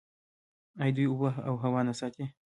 آیا دوی اوبه او هوا نه ساتي؟